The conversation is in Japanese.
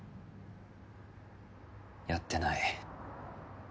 やってない。